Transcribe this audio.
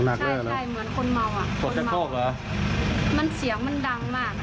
ใช่ใช่เหมือนคนเมาอ่ะคนในโลกเหรอมันเสียงมันดังมาก